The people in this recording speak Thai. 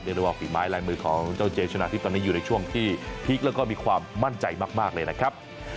ได้ว่าฝีไม้ลายมือของเจ้าเจชนะทิพย์ตอนนี้อยู่ในช่วงที่พีคแล้วก็มีความมั่นใจมากเลยนะครับ